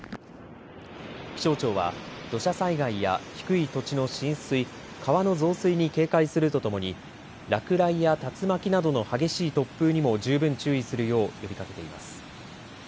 気象庁は土砂災害や低い土地の浸水、川の増水に警戒するとともに落雷や竜巻などの激しい突風にも十分注意するよう呼びかけています。